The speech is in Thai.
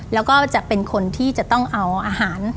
แล้วก็จะเป็นคนที่จะต้องเอาอาหาร